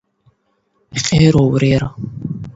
خور او ورور